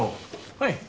はい。